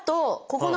ここ？